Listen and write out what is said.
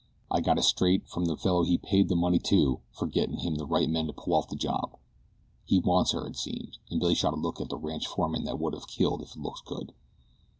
"I got it straight from the fellow he paid the money to for gettin' him the right men to pull off the job. He wants her it seems," and Billy shot a look at the ranch foreman that would have killed if looks could.